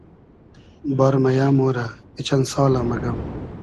بار مئیۂ مۉرۂ , ای چئن سالۂ مئگئم